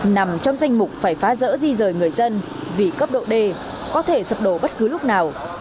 nằm trong danh mục phải phá rỡ di rời người dân vì cấp độ d có thể sập đổ bất cứ lúc nào